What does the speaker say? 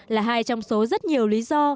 là hai trong số rất nhiều lý do